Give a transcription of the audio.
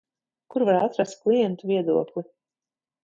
Kur var atrast klientu viedokli?